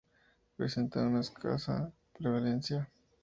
Presentan una escasa prevalencia.